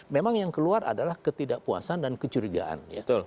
memang yang keluar adalah ketidakpuasan dan kecurigaan ya